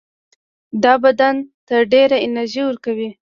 دا بدن ته ډېره انرژي ورکوي.